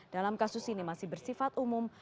dalam kasus ini masih bersifat umum